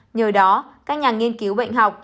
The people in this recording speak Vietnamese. nhờ đó các nhà nghiên cứu bệnh học